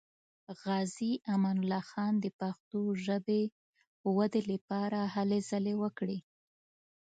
غازي امان الله خان د پښتو ژبې ودې لپاره هلې ځلې وکړې.